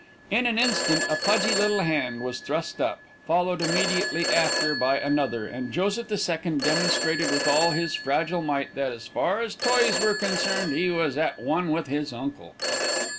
In an instant a pudgy little hand was thrust up, followed immediately after by another, and Joseph the Second demonstrated with all his fragile might that, as far as toys were concerned, he was at one with his uncle.